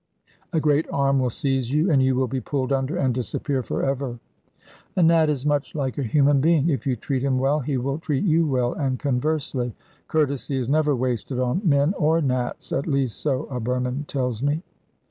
A great arm will seize you, and you will be pulled under and disappear for ever. A Nat is much like a human being; if you treat him well he will treat you well, and conversely. Courtesy is never wasted on men or Nats, at least, so a Burman tells me.